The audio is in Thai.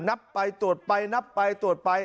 นับไปตรวจไปนับไปตรวจไป